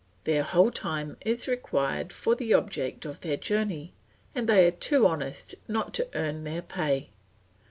Their whole time is required for the object of their journey, and they are too honest not to earn their pay.